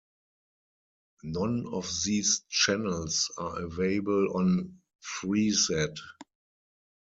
None of these channels are available on Freesat.